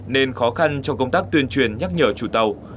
nên khó khăn trong công tác tuyên truyền nhắc nhở chủ tàu